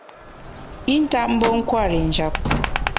I ntap mbe nkwer i njap.